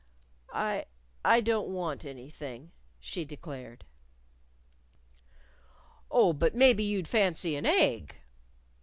"I I don't want anything," she declared. "Oh, but maybe you'd fancy an egg."